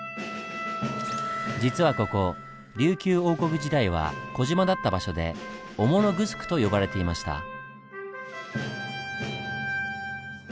実はここ琉球王国時代は小島だった場所で「御物城」と呼ばれていました。